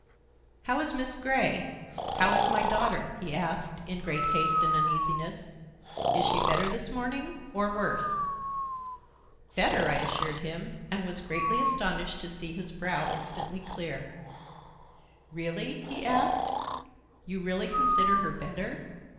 "How is Miss Grey? How is my daughter?" he asked in great haste and uneasiness. "Is she better this morning, or—worse?" "Better," I assured him, and was greatly astonished to see his brow instantly clear. "Really?" he asked. "You really consider her better?